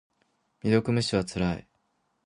未読無視はつらい。